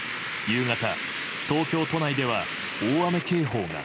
夕方、東京都内では大雨警報が。